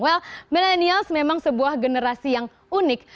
well milenials memang sebuah generasi yang unik